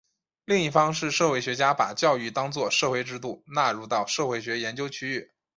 另一方是社会学家把教育当作社会制度纳入到社会学研究领域。